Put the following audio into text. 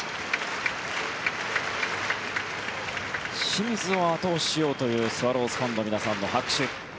清水を後押ししようというスワローズファンの皆さんの拍手。